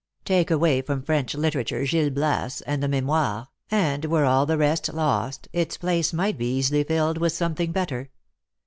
Take away from French literature Gil Bias and the me moires, and were all the rest lost, its place might be easily filled with something better.